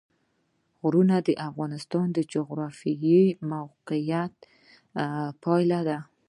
غرونه د افغانستان د جغرافیایي موقیعت پایله ده.